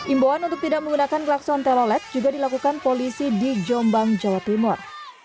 imbauan untuk tidak menggunakan klakson telolet juga dilakukan polisi di jombang jawa timur